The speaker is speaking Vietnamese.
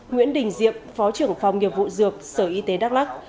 nguyễn đình diệm phó trưởng phòng nghiệp vụ dược sở y tế đắk lắc